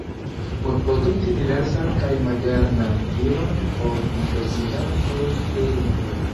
Por produkti diversan kaj modernan ilon por interesiĝantoj pri lingvoj.